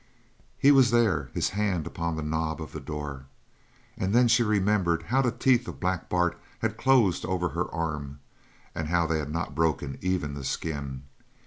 He was there his hand was upon the knob of the door. And then she remembered how the teeth of Black Bart had closed over her arm and how they had not broken even the skin.